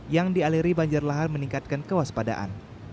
yang dialiri banjir lahar meningkatkan kewaspadaan